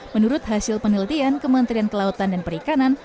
menurut hasil penelitian kementerian kelautan dan perikanan